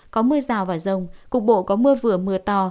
có mưa rào và rông cục bộ có mưa vừa mưa to